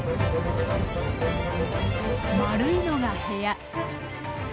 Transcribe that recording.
丸いのが部屋。